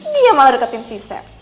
dia malah deketin si safe